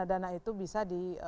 dana itu bisa